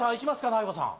大悟さん。